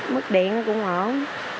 mức điện cũng ổn